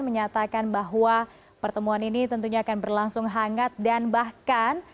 menyatakan bahwa pertemuan ini tentunya akan berlangsung hangat dan bahkan